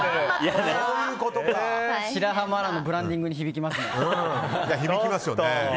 白濱亜嵐のブランディングに響きますね。